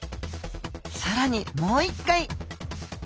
さらにもう一回。